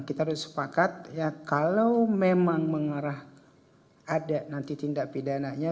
kita harus sepakat ya kalau memang mengarah ada nanti tindak pidananya